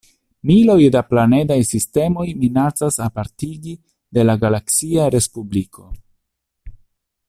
Miloj da planedaj sistemoj minacas apartigi de la galaksia respubliko.